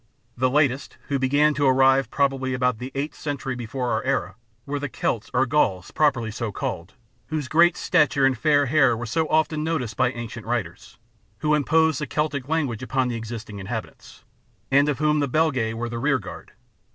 The latest, who began to arrive probably about the eighth century before our era, were the Celts or Gauls properly so called, whose great stature and fair hair were so often noticed by ancient writers, who imposed the Celtic language upon the existing inhabitants, and of whom the Belgae were the rearguard.